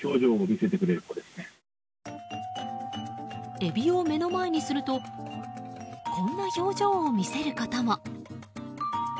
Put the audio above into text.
エビを目の前にするとこんな表情を見せることも。